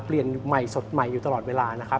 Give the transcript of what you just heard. เปลี่ยนใหม่สดใหม่อยู่ตลอดเวลานะครับ